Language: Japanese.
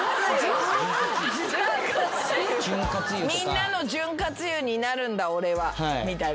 「みんなの潤滑油になるんだ俺は」みたいな？